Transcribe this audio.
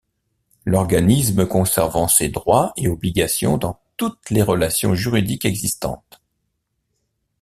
L'organisme conservant ses droits et obligations dans toutes les relations juridiques existantes.